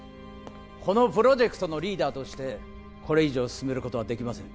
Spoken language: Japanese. このプロジェクトのリーダーとしてこれ以上進めることはできません